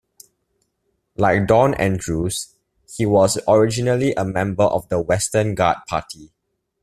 Like Don Andrews, he was originally a member of the Western Guard Party.